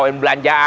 kenapa kamu c puset